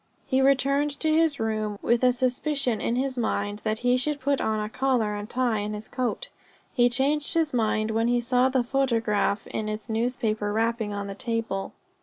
He returned to his room, with a suspicion in his mind that he should put on a collar and tie, and his coat. He changed his mind when he saw the photograph in its newspaper wrapping on the table.